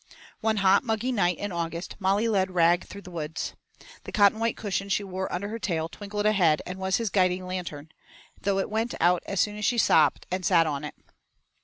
One hot, muggy night in August, Molly led Rag through the woods. The cotton white cushion she wore under her tail twinkled ahead and was his guiding lantern, though it went out as soon as she stopped and sat on it.